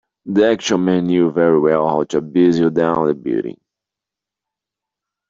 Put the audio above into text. The action man knew very well how to abseil down the building